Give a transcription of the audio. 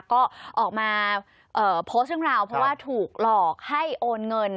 ก็ออกมาโพสต์เรื่องราวเพราะว่าถูกหลอกให้โอนเงิน